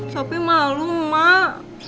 sopi malu mak